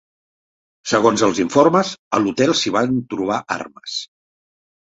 Segons els informes, a l'hotel s'hi van trobar armes.